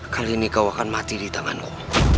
kali ini kau akan mati di tanganmu